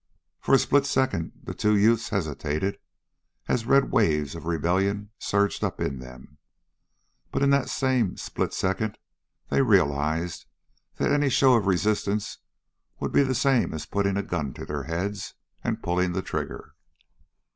For a split second the two youths hesitated as red waves of rebellion surged up in them. But in that same split second they realized that any show of resistance would be the same as putting a gun to their heads and pulling the trigger.